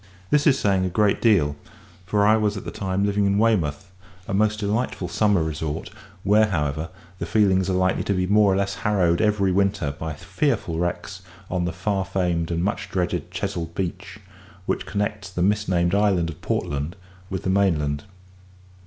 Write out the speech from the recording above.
This is saying a great deal, for I was at the time living in Weymouth, a most delightful summer resort, where, however, the feelings are likely to be more or less harrowed every winter by fearful wrecks on the far famed and much dreaded Chesil Beach, which connects the mis named island of Portland with the mainland.